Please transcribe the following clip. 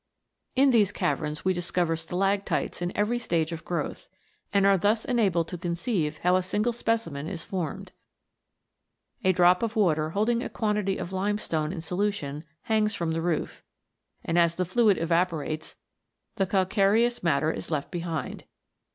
In these caverns we discover stalactites in every stage of growth, and are thus enabled to conceive how a single specimen is formed. A drop of water holding a quantity of limestone in solution hangs from the roof, and as the fluid evaporates the cal s 2 260 THE GNOMES. careous matter is left behind.